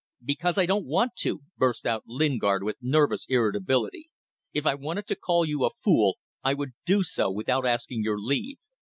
"Because I don't want to," burst out Lingard, with nervous irritability. "If I wanted to call you a fool, I would do so without asking your leave."